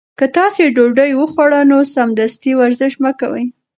که تاسي ډوډۍ وخوړه نو سمدستي ورزش مه کوئ.